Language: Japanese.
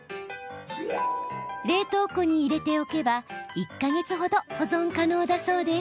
冷凍庫に入れておけば１か月ほど保存可能だそうです。